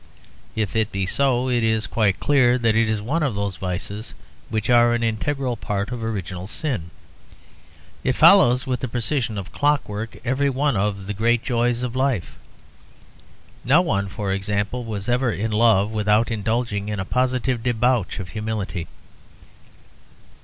If it be so, it is quite clear that it is one of those vices which are an integral part of original sin. It follows with the precision of clockwork every one of the great joys of life. No one, for example, was ever in love without indulging in a positive debauch of humility.